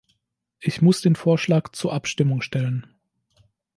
Ich muss den Vorschlag zur Abstimmung stellen.